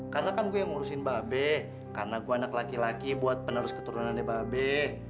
karena kan gue yang ngurusin mba be karena gue anak laki laki buat penerus keturunannya mba be